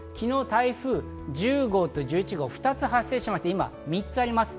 昨日、台風１０号と１１号２つ発生して、今３つあります。